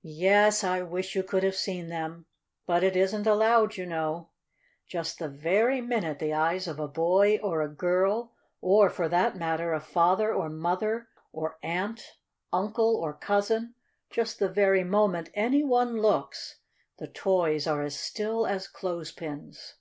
Yes, I wish you could have seen them; but it isn't allowed, you know. Just the very minute the eyes of a boy or a girl, or, for that matter, a father or mother or aunt, uncle or cousin just the very moment any one looks, the toys are as still as clothespins.